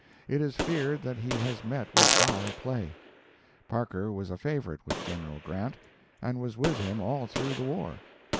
It is feared that he has met with foul play. Parker was a favorite with Gen. Grant, and was with him all through the war.